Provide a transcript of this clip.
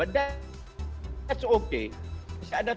tapi itu tidak apa apa